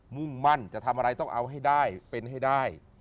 มุ่งมั่นจะทำอะไรต้องเอาให้ได้เป็นให้ได้